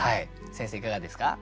先生いかがですか？